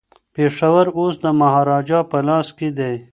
پېښور اوس د مهاراجا په لاس کي دی.